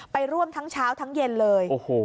ไปร่วมทั้งเช้าทั้งเย็นเลย